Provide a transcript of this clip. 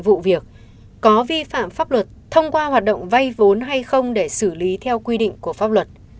vụ việc có vi phạm pháp luật thông qua hoạt động vay vốn hay không để xử lý theo quy định của pháp luật